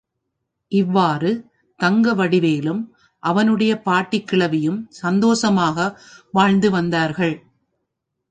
இவ்வாறு தங்கவேலும் அவனுடைய பாட்டிக் கிழவியும் சந்தோஷமாக வாழ்ந்து வந்தார்கள்.